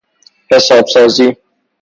حساب سازی